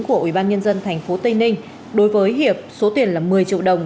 của ủy ban nhân dân thành phố tây ninh đối với hiệp số tiền là một mươi triệu đồng